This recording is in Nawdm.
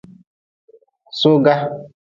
Soga.